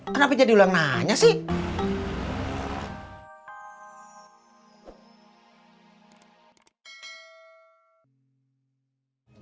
kenapa jadi ulang nanya sih